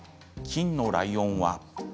金のライオンは。